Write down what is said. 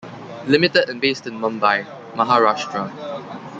Limited and based in Mumbai, Maharashtra.